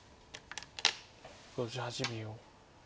５８秒。